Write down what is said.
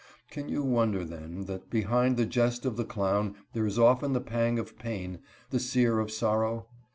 Can you wonder, then, that behind the jest of the clown there is often the pang of pain, the sear of sorrow?